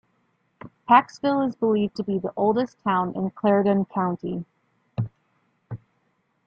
Paxville is believed to be the oldest town in Clarendon County.